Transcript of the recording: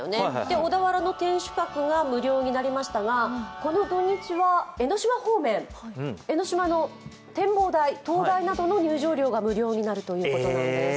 小田原の天守閣が無料になりましたがこの土日は江の島方面、江ノ島の展望台、灯台などの入場料が無料になるということなんです。